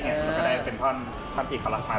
มันก็ได้เป็นท่อนท่านพี่ขอรักษณะ